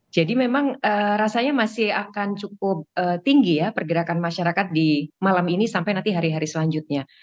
jadi memang rasanya masih akan cukup tinggi ya pergerakan masyarakat di malam ini sampai nanti hari hari selanjutnya